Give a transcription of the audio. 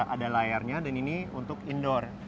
ada layarnya dan ini untuk indoor